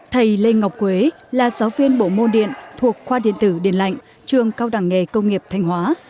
thầy lê ngọc quế là giáo viên bộ môn điện thuộc khoa điện tử điện lạnh trường cao đẳng nghề công nghiệp thanh hóa